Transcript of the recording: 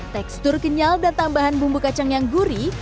tekstur kenyal dan tambahan bumbu kacang yang gurih